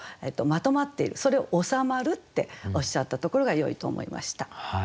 それを「収まる」っておっしゃったところがよいと思いました。